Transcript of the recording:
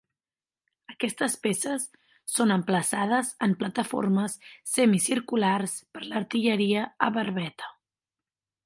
Aquestes peces són emplaçades en plataformes semicirculars per l'artilleria a barbeta.